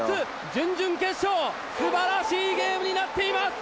準々決勝素晴らしいゲームになっています！